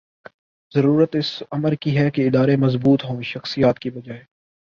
ضرورت اس امر کی ہے کہ ادارے مضبوط ہوں ’’ شخصیات ‘‘ کی بجائے